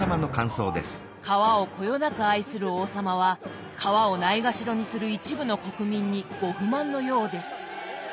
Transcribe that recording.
皮をこよなく愛する王様は皮をないがしろにする一部の国民にご不満のようです。